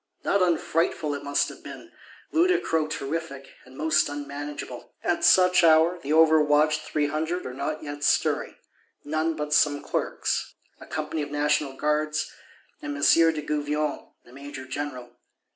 Not unfrightful it must have been; ludicro terrific, and most unmanageable. At such hour the overwatched Three Hundred are not yet stirring: none but some Clerks, a company of National Guards; and M. de Gouvion, the Major general.